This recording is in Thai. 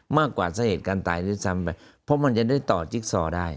มากกว่าสาเหตุการตายด้วยซ้ำไปเพราะมันจะได้ต่อจิ๊กซอได้